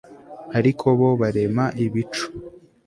ariko bo, barema ibico